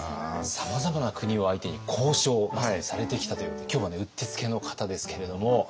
さまざまな国を相手に交渉をまさにされてきたということで今日はねうってつけの方ですけれども。